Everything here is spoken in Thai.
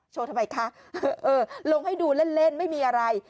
ทำไมคะลงให้ดูเล่นไม่มีอะไร